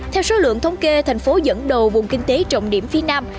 theo số lượng thống kê thành phố dẫn đầu vùng kinh tế trọng điểm phía nam